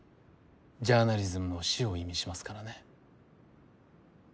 ジャーナリズムの死を意味しますからね。